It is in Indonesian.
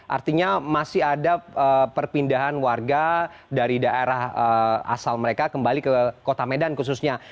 artinya masih ada perpindahan warga dari daerah asal mereka kembali ke kota medan khususnya